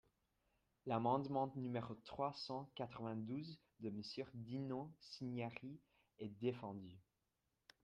L’amendement numéro trois cent quatre-vingt-douze de Monsieur Dino Cinieri est défendu.